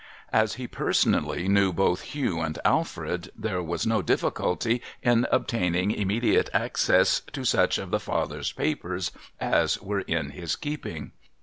As he personally knew both Hugh and Alfred, there was no difficulty in obtaining immediate access to such of the father's pa])ers as were in his keeping.